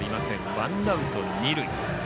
ワンアウト、二塁。